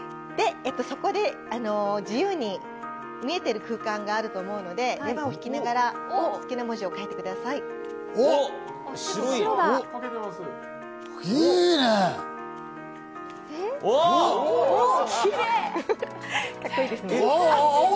そこで自由に見えている空間があると思うので、レバーを引きながら、好きな文字を書いてください。